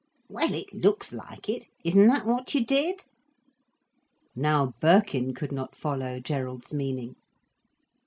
"Well, it looks like it. Isn't that what you did?" Now Birkin could not follow Gerald's meaning.